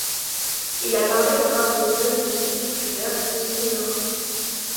Il a parlé de raboteuse, de scie circulaire, de sciure.